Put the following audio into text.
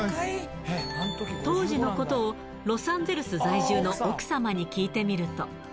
当時のことを、ロサンゼルス在住の奥様に聞いてみると。